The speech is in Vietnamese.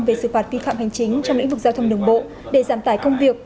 về sự phạt vi phạm hành chính trong lĩnh vực giao thông đường bộ để giảm tải công việc